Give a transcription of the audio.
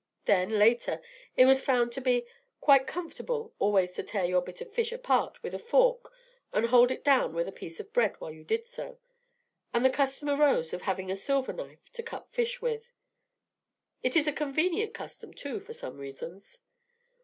Then, later, it was found not to be quite comfortable always to tear your bit of fish apart with a fork and hold it down with a piece of bread while you did so, and the custom arose of having a silver knife to cut fish with. It is a convenient custom, too, for some reasons.